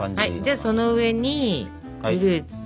じゃあその上にフルーツを。